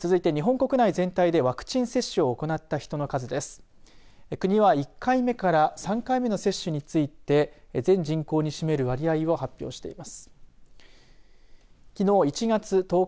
国は１回目から３回目の接種について全人口に占める割合を発表しています。